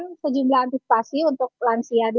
ini sejumlah antisipasi untuk lansia